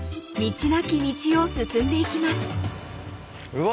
うわ！